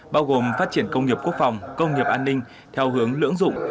bao gồm phát triển công nghiệp quốc phòng công nghiệp an ninh theo hướng lưỡng dụng